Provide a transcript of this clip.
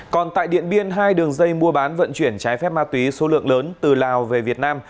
còn tại điện biên hai đường dây mua bán vận chuyển trái phép ma túy số lượng lớn từ lào về việt nam